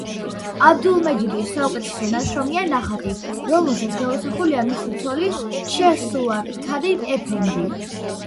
აბდულმეჯიდის საუკეთესო ნაშრომია ნახატი, რომელზეც გამოსახულია მისი ცოლი შეჰსუვარ ქადინ ეფენდი.